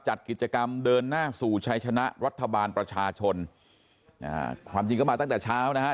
จัดกิจกรรมเดินหน้าสู่ชัยชนะรัฐบาลประชาชนอ่าความจริงก็มาตั้งแต่เช้านะฮะ